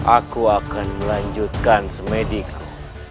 aku akan melanjutkan semedikmu